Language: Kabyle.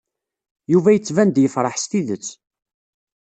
Yuba yettban-d yefṛeḥ s tidet.